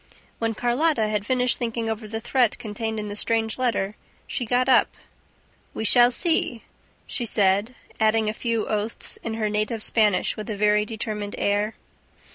When Carlotta had finished thinking over the threat contained in the strange letter, she got up. "We shall see," she said, adding a few oaths in her native Spanish with a very determined air.